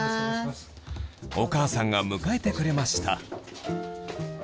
お母さんが迎えてくれました